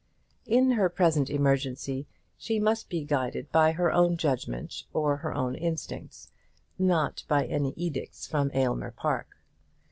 In her present emergency she must be guided by her own judgment or her own instincts, not by any edicts from Aylmer Park!